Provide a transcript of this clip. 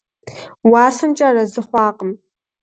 УасэмкӀэ арэзы хъуакъым.